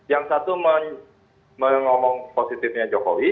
yang satu mengomong positifnya jokowi